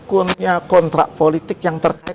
aku punya kontrak politik yang terkait